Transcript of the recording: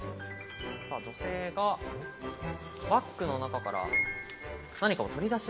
女性がバッグの中から何かを取り出しました。